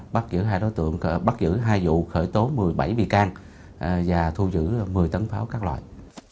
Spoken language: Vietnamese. bắt giữ hai vụ khởi tố một mươi bảy bị can và thu giữ một mươi tấn pháo các loại